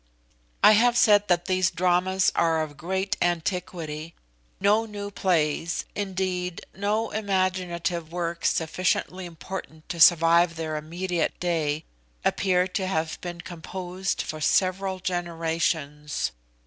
I have said that these dramas are of great antiquity. No new plays, indeed no imaginative works sufficiently important to survive their immediate day, appear to have been composed for several generations.